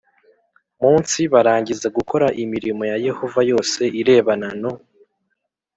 munsi barangiza gukora imirimo ya Yehova yose irebana no